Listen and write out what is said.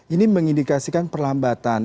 ini mengindikasikan perlambatan